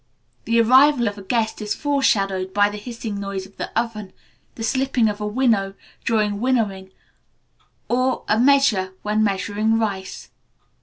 The arrival of a guest is foreshadowed by the hissing noise of the oven, the slipping of a winnow during winnowing, or of a measure when measuring rice.